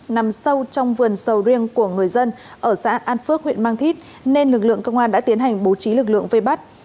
nằm sâu trong vườn sầu riêng của người dân ở xã an phước huyện mang thít nên lực lượng công an đã tiến hành bố trí lực lượng vây bắt